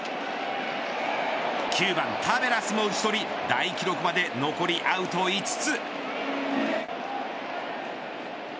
９番タベラスも討ち取り大記録まで残りアウト５つ。